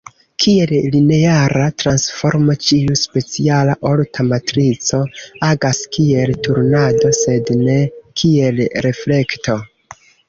Kiel lineara transformo, ĉiu speciala orta matrico agas kiel turnado sed ne kiel reflekto.